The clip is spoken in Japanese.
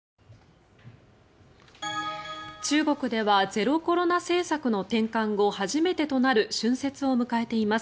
中国ではゼロコロナ政策の転換後初めてとなる春節を迎えています。